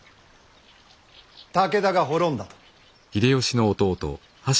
武田が滅んだと。